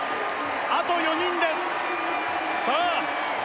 あと４人ですさあ